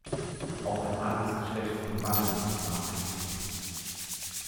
Auch ein Adelsgeschlecht von Wangen ist nachgewiesen.